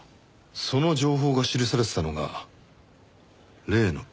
その情報が記されてたのが例のＢ６版ノート。